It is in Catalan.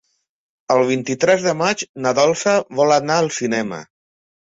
El vint-i-tres de maig na Dolça vol anar al cinema.